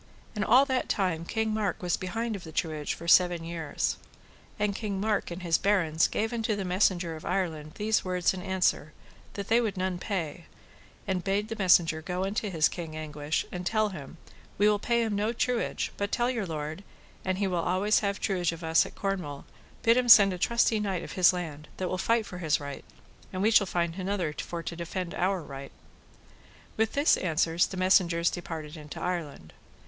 And all that time King Mark was behind of the truage for seven years. And King Mark and his barons gave unto the messenger of Ireland these words and answer, that they would none pay; and bade the messenger go unto his King Anguish, and tell him we will pay him no truage, but tell your lord, an he will always have truage of us of Cornwall, bid him send a trusty knight of his land, that will fight for his right, and we shall find another for to defend our right. With this answer the messengers departed into Ireland.